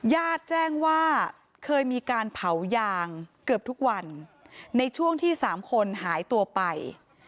ญาติแจ้งว่าเคยมีการเผายางเกือบทุกวันในช่วงที่๓คนหายตัวไป